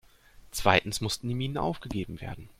Zweitens mussten die Minen aufgegeben werden.